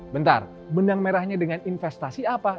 bentar benang merahnya dengan investasi apa